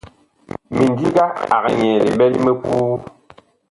Mindiga ag nyɛɛ liɓɛ li mipuu.